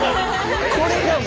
これがもう。